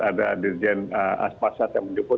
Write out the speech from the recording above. ada dirjen aspasat yang menjemput